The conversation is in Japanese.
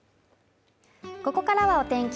ここからはお天気